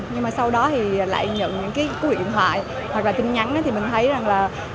nhưng mà sau đó thì lại nhận những cái cúi điện thoại hoặc là tin nhắn thì mình thấy rằng là